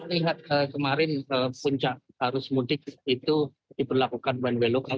pak lihat kemarin punca arus mudik itu diperlakukan wnw lokal